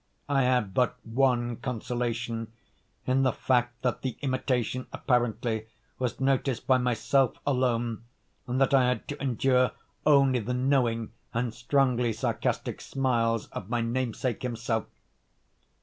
I had but one consolation—in the fact that the imitation, apparently, was noticed by myself alone, and that I had to endure only the knowing and strangely sarcastic smiles of my namesake himself.